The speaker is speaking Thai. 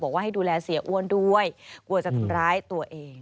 ให้ดูแลเสียอ้วนด้วยกลัวจะทำร้ายตัวเอง